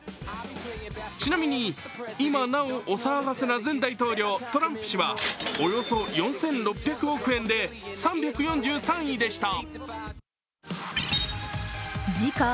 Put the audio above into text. ちなみに今なおお騒がせな前大統領・トランプ氏はおよそ４６００億円で３４３位でした。